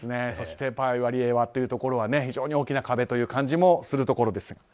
そして対ワリエワというところは大きな壁という感じもするところです。